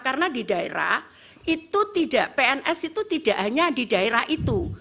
karena di daerah itu tidak pns itu tidak hanya di daerah itu